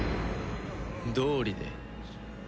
どうりで。